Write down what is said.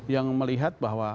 yang melihat bahwa